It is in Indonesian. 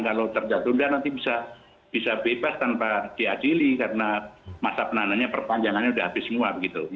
kalau terjatunda nanti bisa bebas tanpa diadili karena masa penahanannya perpanjangannya sudah habis semua begitu